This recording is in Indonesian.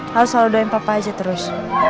harus selalu doyan papa aja terus